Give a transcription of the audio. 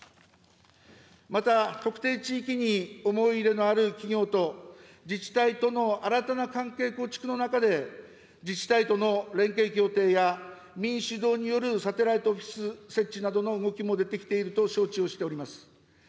また特定地域に思い入れのある企業と自治体との新たな関係構築の中で、自治体との連携協定や民主導によるサテライトオフィス設置などの動きも出てきていると承知をしております。